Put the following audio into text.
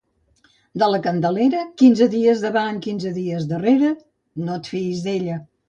De la Candelera, quinze dies davant, quinze dies darrere, no et fiïs d'ella.